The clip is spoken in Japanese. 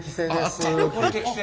これ適正。